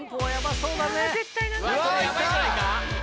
それやばいんじゃないか。